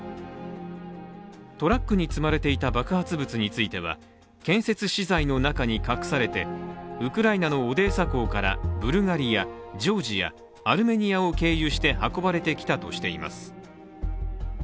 トラックに積まれていた爆発物については、建設資材の中に隠されてウクライナのオデーサ港からブルガリア、ジョージアアルメニアを経由して運ばれてきたとしています。